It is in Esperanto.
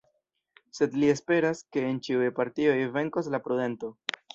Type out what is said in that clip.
Sed li esperas ke en ĉiuj partioj venkos la prudento.